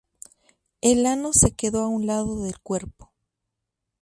El ano se quedó a un lado del cuerpo.